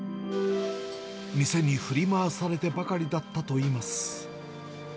店に振り回されてばかりだったといいます。